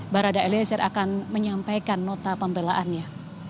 barada eliezer akan menyampaikan nota pembelaannya